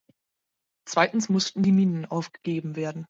Zweitens mussten die Minen aufgegeben werden.